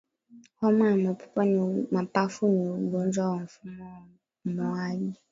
Homa ya mapafu ni ugonjwa wa mfumo wa upumuaji